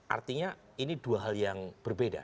artinya ini dua hal yang berbeda